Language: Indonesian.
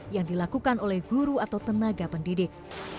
yang dilakukan oleh guru atau tenaga pendidik